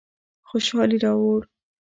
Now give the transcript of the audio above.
خوشحالي راوړو.